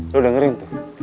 lu dengerin tuh